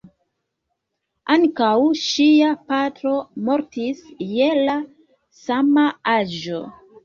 Ankaŭ ŝia patro mortis je la sama aĝo.